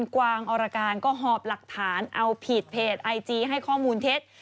กวางอรการก็หอบหลักฐานเอาผิดเพจไอจีให้ข้อมูลเท็จ